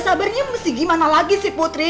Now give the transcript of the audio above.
sabarnya mesti gimana lagi sih putri